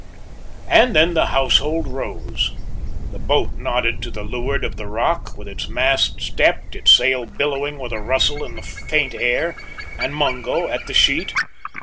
And then the household rose; the boat nodded to the leeward of the rock, with its mast stepped, its sail billowing with a rustle in the faint air, and Mungo at the sheet.